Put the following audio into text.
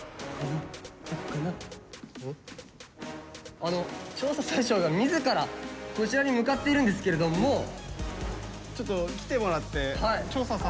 あの調査対象が自らこちらに向かっているんですけれどもちょっと来てもらって調査させて頂いてもよろしいですか？